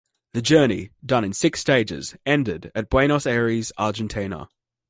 The journey, done in six stages, ended at Buenos Aires, Argentina.